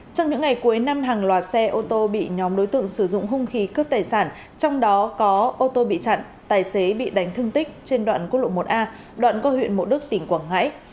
trong những ngày cuối năm hàng loạt xe ô tô bị nhóm đối tượng sử dụng hung khí cướp tài sản trong đó có ô tô bị chặn tài xế bị đánh thương tích trên đoạn quốc lộ một a đoạn qua huyện mộ đức tỉnh quảng ngãi